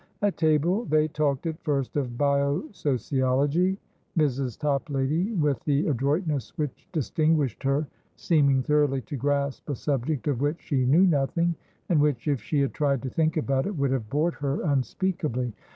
At table, they talked at first of bio sociology, Mrs. Toplady, with the adroitness which distinguished her, seeming thoroughly to grasp a subject of which she knew nothing, and which, if she had tried to think about it, would have bored her unspeakably.